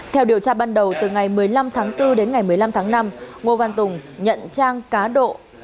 theo điều tra ban đầu từ ngày một mươi năm tháng bốn đến ngày một mươi năm tháng năm ngô văn tùng nhận trang cá độ